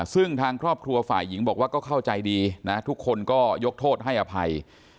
ซึ่งทางครอบครัวฝ่ายหญิงบอกว่าก็เข้าใจดีนะทุกคนก็ยกโทษให้อภัย